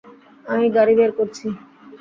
আমি গাড়ি বের করছি।